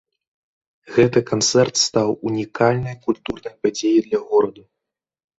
Гэты канцэрт стаў унікальнай культурнай падзеяй для гораду.